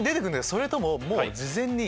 それとも事前に？